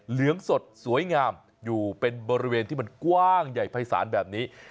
เหลืองสดสวยงามอยู่เป็นบริเวณที่มันกว้างใหญ่ภายศาลแบบนี้